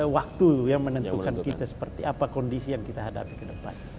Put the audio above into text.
waktu yang menentukan kita seperti apa kondisi yang kita hadapi ke depan